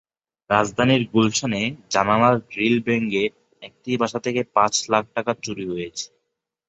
রাজধানীর গুলশানে জানালার গ্রিল ভেঙে একটি বাসা থেকে পাঁচ লাখ টাকা চুরি হয়েছে।